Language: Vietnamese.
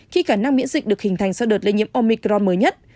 khi khả năng miễn dịch được hình thành sau đợt lây nhiễm omicro mới nhất